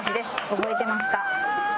覚えてますか？